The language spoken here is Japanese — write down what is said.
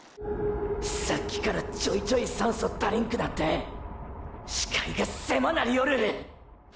さっきからちょいちょい酸素足りんくなって視界が狭なりよる